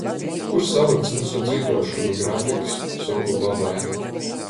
Kur salykts vysu dzīduošonu grafiks, soku babai.